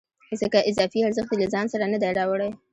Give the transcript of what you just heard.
ځکه اضافي ارزښت یې له ځان سره نه دی راوړی